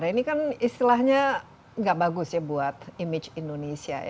ini kan istilahnya tidak bagus buat image indonesia